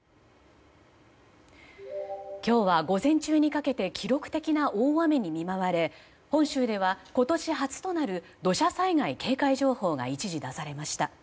今日は、午前中にかけて記録的な大雨に見舞われ本州では今年初となる土砂災害警戒情報が一時出されました。